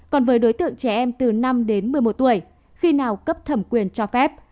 còn với đối tượng trẻ em từ năm đến một mươi một tuổi khi nào cấp thẩm quyền cho phép